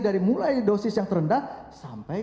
dari mulai dosis yang terendah sampai